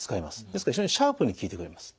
ですから非常にシャープに効いてくれます。